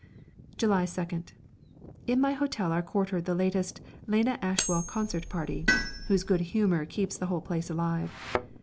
July 2nd. In my hotel are quartered the latest "Lena Ashwell Concert Party," whose good humour keeps the whole place alive.